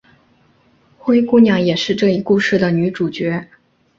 灰姑娘也是这一故事的女主角。